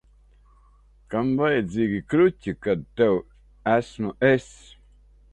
Kam vajadzīgi kruķi, kad tev esmu es?